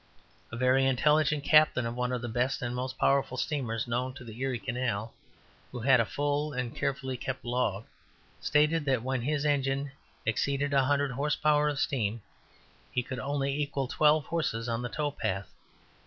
A very intelligent captain of one of the best and most powerful steamers known to the Erie Canal, who had a full and carefully kept log, stated that when his engine exceeded a hundred horse power of steam, he could only equal twelve horses on the tow path.